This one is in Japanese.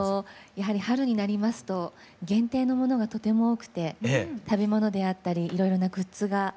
やはり春になりますと限定のものがとても多くて食べ物であったりいろいろなグッズが。